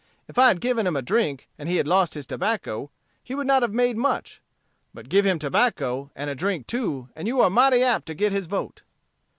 If I had given him a drink and he had lost his tobacco, he would not have made much. But give him tobacco, and a drink too, and you are mighty apt to get his vote."